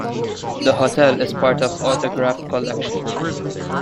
The hotel is part of Autograph Collection.